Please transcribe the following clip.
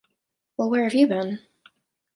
Well, where have you been?